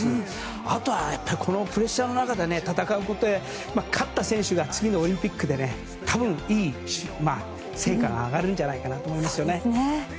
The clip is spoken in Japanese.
あとは、やっぱりこのプレッシャーの中で戦うことで、勝った選手が次のオリンピックで多分いい成果が上がるんじゃないかなって思うんです。